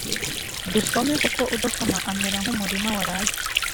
Dusome kuko Udasoma amera nk’umurima waraye